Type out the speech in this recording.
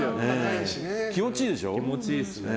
気持ちいいですね。